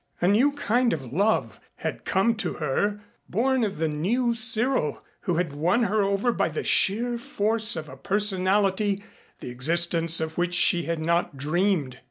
A new kind of love had come to her, born of the new Cyril who had won her over by the sheer force of a personality, the existence of which she had not dreamed.